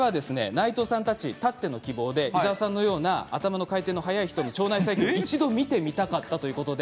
内藤さんたちたっての希望で伊沢さんのような頭の回転の速い人の腸内細菌を一度見てみたかったということで。